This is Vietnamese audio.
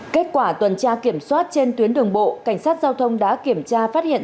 kết quả tuần tra kiểm soát trên tuyến đường bộ cảnh sát giao thông đã kiểm tra phát hiện